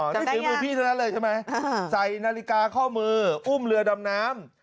อ๋อนึกถึงมือพี่นั้นเลยใช่ไหมใส่นาฬิกาเข้ามืออุ้มเรือดำน้ำ